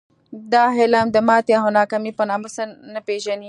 دا علم د ماتې او ناکامۍ په نامه څه نه پېژني